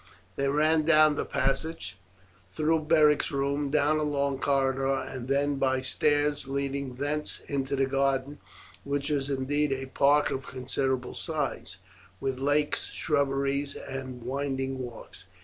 They ran down the passage, through Beric's room, down a long corridor, and then by stairs leading thence into the garden, which was indeed a park of considerable size, with lakes, shrubberies, and winding walks.